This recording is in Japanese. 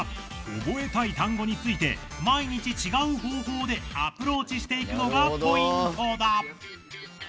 覚えたい単語について毎日違う方法でアプローチしていくのがポイントだ。